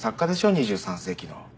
２３世紀の。